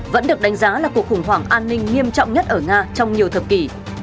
vẫn được đánh giá là cuộc khủng hoảng an ninh nghiêm trọng nhất ở nga trong nhiều thập kỷ